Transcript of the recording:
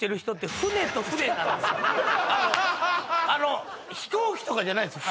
あの飛行機とかじゃないんです